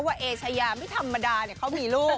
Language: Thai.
ว่าเอ๋ชายาไม่ธรรมดาเนี่ยเขามีลูก